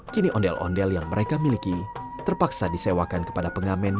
kini ondel ondel yang mereka miliki terpaksa disewakan kepada pengamen